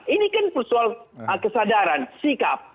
ini kan persoalan kesadaran sikap